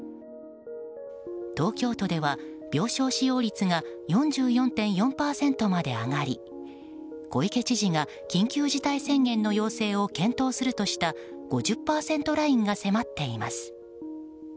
東京都では病床使用率が４４．４％まで上がり小池知事が緊急事態宣言の要請を検討するとした５０％ラインが迫っています。